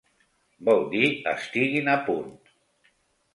Vol dir “estiguin a punt”.